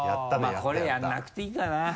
まぁこれやらなくていいかな。